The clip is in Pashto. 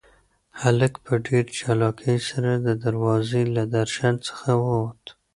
هلک په ډېر چالاکۍ سره د دروازې له درشل څخه ووت.